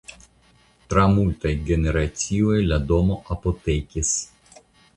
Tra multaj generacioj la domo apotekis.